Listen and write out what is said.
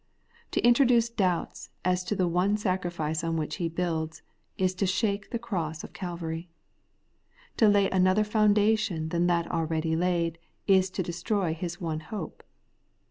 To introduce doubts as to the one sacrifice on which he builds, is to shake the cross of Calvary. To lay another foundation than that already laid, is to destroy his one hope.